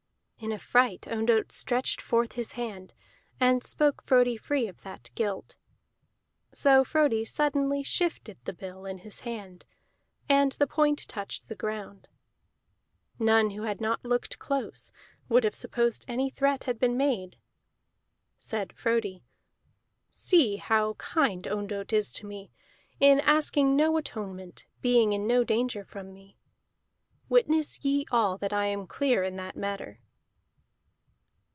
In a fright Ondott stretched forth his hand and spoke Frodi free of that guilt. So Frodi suddenly shifted the bill in his hand, and the point touched the ground; none who had not looked close would have supposed any threat had been made. Said Frodi: "See how kind Ondott is to me, in asking no atonement, being in no danger from me. Witness ye all that I am clear in that matter."